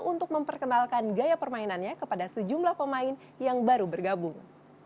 untuk memperkenalkan gaya permainannya kepada sejumlah pemain yang baru bergabung